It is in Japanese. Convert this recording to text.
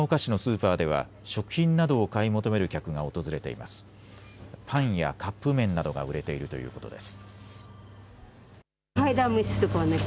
パンやカップ麺などが売れているということです。